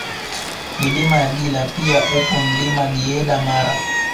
Milima ya Gila pia upo Mlima Giyeda Mara